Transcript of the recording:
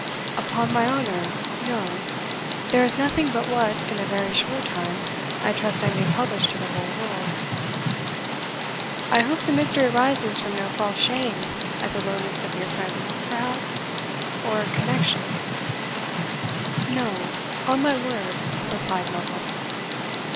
"Upon my honour, no; there is nothing but what, in a very short time, I trust I may publish to the whole world." "I hope the mystery arises from no false shame at the lowness of your friends perhaps, or connections?" "No, on my word," replied Lovel.